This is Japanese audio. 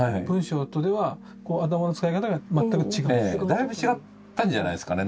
だいぶ違ったんじゃないですかね。